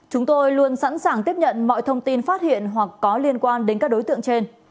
chúng tôi luôn sẵn sàng tiếp nhận mọi thông tin phát hiện hoặc có liên quan đến các đối tượng trên